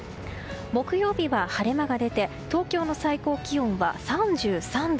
木曜日は晴れ間が出て東京の最高気温は３３度。